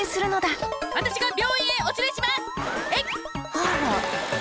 あら。